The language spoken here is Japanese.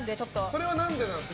それは何でですか？